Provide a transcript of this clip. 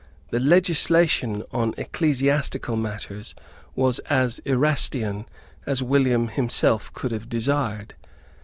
The legislation on ecclesiastical matters was as Erastian as William himself could have desired.